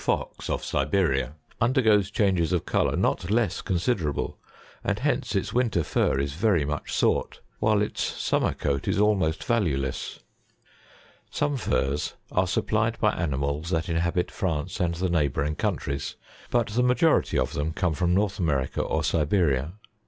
Fox of Siberia, undergoes changes of colour not less consider able, and hence its winter fur is very much sought, while its sum mer coat is almost valueless. 71. Some furs are supplied by animals that inhabit France and the neighbouring countries ; but the majority of them come from North America, or Siberia. 72.